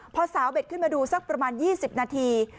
พอสาวเบ็ดขึ้นมาดูสักประมาณ๒๐นาที